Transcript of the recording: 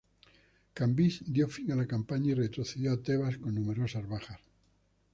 Cambises dio fin a la campaña y retrocedió a Tebas con numerosas bajas.